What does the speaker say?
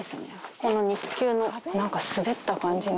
この肉球の、なんか滑った感じの。